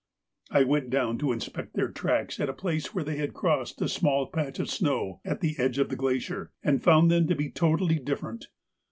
I went down to inspect their tracks at a place where they had crossed a small patch of snow at the edge of the glacier, and found them to be totally different.